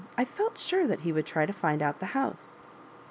I felt sure that he would try to find out the house."